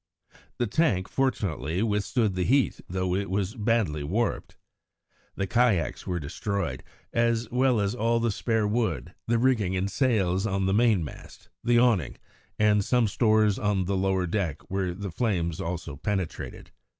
The tank, fortunately, withstood the heat, though it was badly warped. The kayaks were destroyed, as well as all the spare wood, the rigging and sails on the mainmast, the awning, and some stores on the lower deck, where the flames also penetrated.